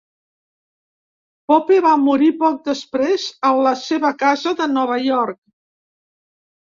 Pope va morir poc després a la seva casa de Nova York.